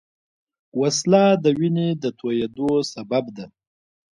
وسله د وینې د تویېدو سبب ده